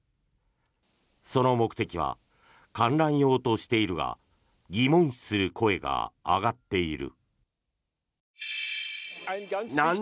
その目的は観覧用としているが疑問視する声が上がっている。